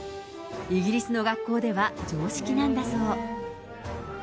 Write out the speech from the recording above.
イギリスの学校では常識なんだそう。